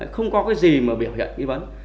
không có gì biểu hiện nghi vấn